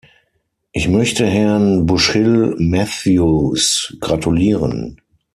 Ich möchte Herrn Bushill-Matthews gratulieren.